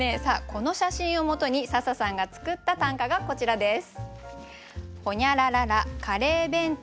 この写真をもとに笹さんが作った短歌がこちらです。